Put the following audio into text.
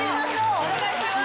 お願いします！